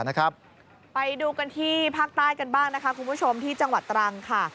ไปดูกันที่ภาคใต้กันบ้างนะคะคุณผู้ชมที่จังหวัดตรังค่ะ